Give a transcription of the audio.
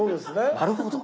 なるほど。